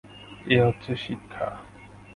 এ হচ্ছে শিক্ষা।